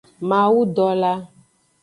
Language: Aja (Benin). Mawudola.